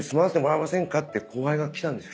て後輩が来たんですよ